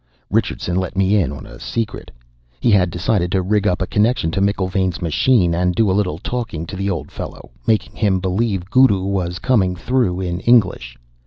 Richardson let me in on a secret. He had decided to rig up a connection to McIlvaine's machine and do a little talking to the old fellow, making him believe Guru was coming through in English.